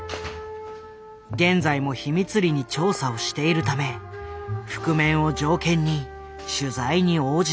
現在も秘密裏に調査をしているため覆面を条件に取材に応じてくれた。